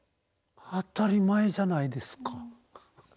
当たり前じゃないですか。